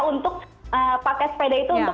untuk pakai sepeda itu untuk